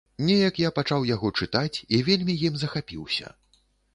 Неяк я пачаў яго чытаць і вельмі ім захапіўся.